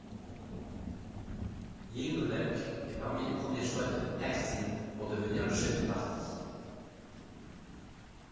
Yingluck est parmi les premiers choix de Thaksin pour devenir le chef du parti.